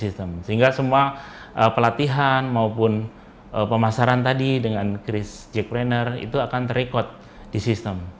sehingga semua pelatihan maupun pemasaran tadi dengan chris jackprener itu akan terekor di sistem